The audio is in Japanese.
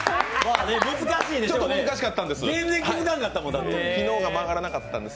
ちょっと難しかったんです。